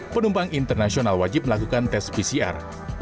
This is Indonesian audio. penumpang internasional wajib melakukan tes pcr